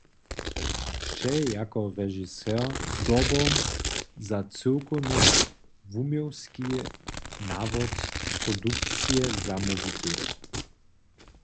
Sće jako režiser zdobom za cyłkowny wuměłski nawod produkcije zamołwity.